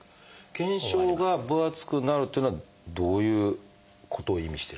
腱鞘が分厚くなるっていうのはどういうことを意味してるんですか？